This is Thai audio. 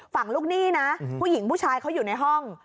ฝั่งลูกหนี้นะผู้หญิงผู้ชายเขาอยู่ในห้อง